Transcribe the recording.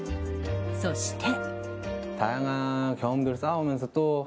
そして。